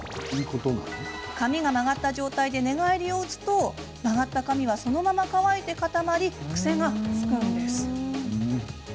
髪が曲がった状態で寝返りを打つと曲がった髪はそのまま乾いて固まり癖がつくのです。